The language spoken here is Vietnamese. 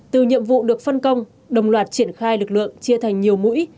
từ nhiệm vụ được phân công đồng loạt triển khai lực lượng chia thành nhiều mũi